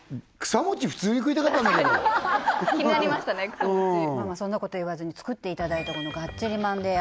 草もちまあまあそんなこと言わずに作っていただいたこのがっちりマンデー！！